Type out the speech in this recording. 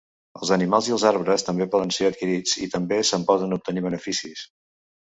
Els animals i els arbres també poden ser adquirits i també se'n poden obtenir beneficis.